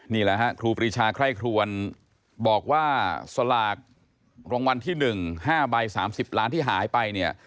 นี่แหละฮะครูปรีชาไคร่ครวนบอกว่าสลากรางวัลที่๑๕ใบ๓๐ล้านที่หายไปเนี่ย